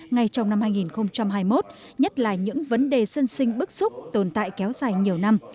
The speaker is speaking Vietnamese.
ngay trong năm hai nghìn hai mươi một nhất là những vấn đề sân sinh bức xúc tồn tại kéo dài nhiều năm